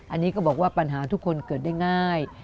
อันนี้ก็บอกว่าปัญหาทุกคนเกิดได้ง่าย